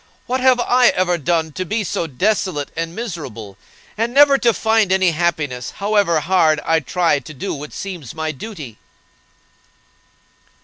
What have I ever done to be so desolate and miserable, and never to find any happiness, however hard I try to do what seems my duty?"